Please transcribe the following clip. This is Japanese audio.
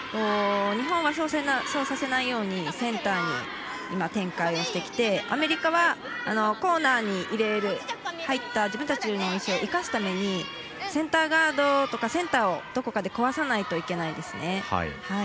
日本はそうさせないようにセンターに今、展開してきてアメリカは、コーナーに入った自分たちの石を生かすためにセンターガードとかセンターをどこかで壊さないといけないですね。